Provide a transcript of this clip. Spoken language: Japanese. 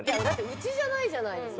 うちじゃないじゃないですか。